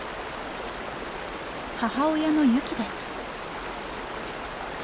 母親のユキです。